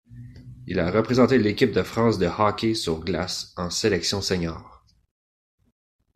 Il a représenté l'Équipe de France de hockey sur glace en sélection senior.